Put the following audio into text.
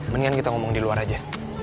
mendingan kita ngomong di luar aja